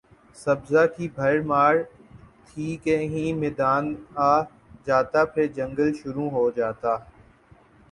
سبزہ کی بھرمار تھی کہیں میدان آ جاتا پھر جنگل شروع ہو جاتا